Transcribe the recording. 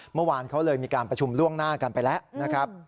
เมื่อวานเขาเลยมีการประชุมล่วงหน้ากันไปแล้วนะครับ